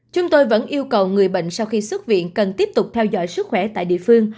chúng tôi vẫn yêu cầu người bệnh sau khi xuất viện cần tiếp tục theo dõi sức khỏe tại địa phương